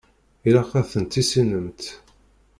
Ilaq ad ten-tissinemt.